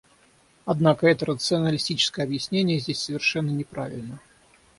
Однако это рационалистическое объяснение здесь совершенно неправильно.